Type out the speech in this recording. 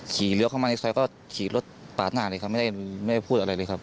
เลี้ยวเข้ามาในซอยก็ขี่รถปาดหน้าเลยครับไม่ได้พูดอะไรเลยครับ